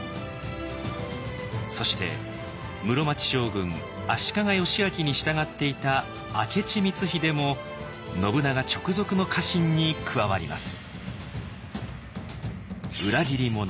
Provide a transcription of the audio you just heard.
そして室町将軍足利義昭に従っていた明智光秀も信長直属の家臣に加わります。